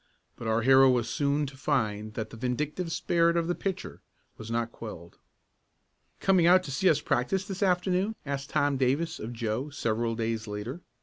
But our hero was soon to find that the vindictive spirit of the pitcher was not quelled. "Coming out to see us practice this afternoon?" asked Tom Davis of Joe several days later.